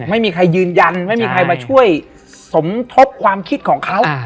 ไม่มีใครยืนยันไม่มีใครมาช่วยสมทบความคิดของเขา